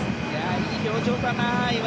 いい表情だな。